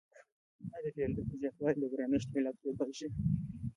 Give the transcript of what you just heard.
آیا د پیرودونکو زیاتوالی د ګرانښت علت کیدای شي؟